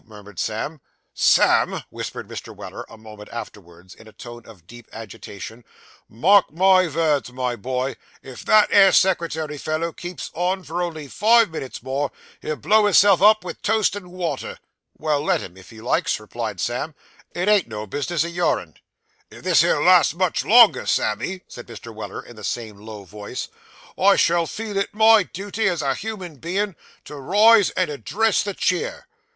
murmured Sam. 'Sam,' whispered Mr. Weller, a moment afterwards, in a tone of deep agitation, 'mark my vords, my boy. If that 'ere secretary fellow keeps on for only five minutes more, he'll blow hisself up with toast and water.' 'Well, let him, if he likes,' replied Sam; 'it ain't no bis'ness o' yourn.' 'If this here lasts much longer, Sammy,' said Mr. Weller, in the same low voice, 'I shall feel it my duty, as a human bein', to rise and address the cheer.